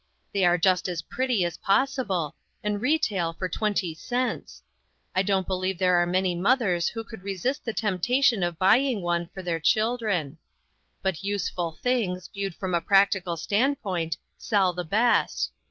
They are just as pretty as possible, and retail for twenty cents. I don't believe there are many mothers who could resist the temptation of buying one for their children. But useful things, viewed from a practical standpoint, sell the best.